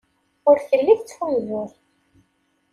Ur telli tettfunzur.